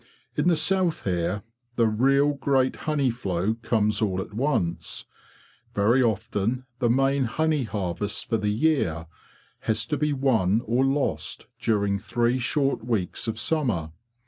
In the south here the real great honey flow comes all at once: very often the main honey harvest for the year has to be won or lost during three short weeks of summer.